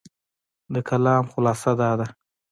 د کلام خلاصه دا ده،